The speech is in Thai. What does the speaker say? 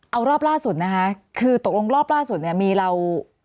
เอารอบล่าสุดนะคะคือตกลงรอบล่าสุดเนี่ยมีเรา